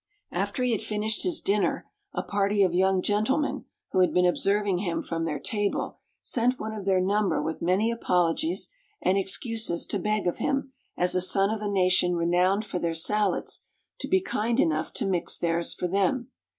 After he had finished his dinner, a party of young gentlemen, who had been observing him from their table, sent one of their number with many apologies and excuses to beg of him, as a son of a nation renowned for their salads, to be kind enough to mix theirs for them.